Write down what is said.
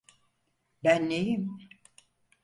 Ben neyim?